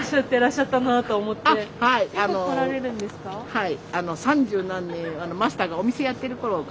はい。